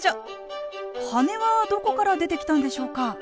「羽根」はどこから出てきたんでしょうか？